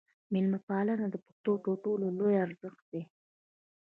میلمه پالنه د پښتنو تر ټولو لوی ارزښت دی.